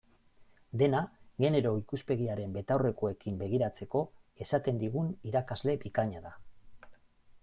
Dena genero ikuspegiaren betaurrekoekin begiratzeko esaten digun irakasle bikaina da.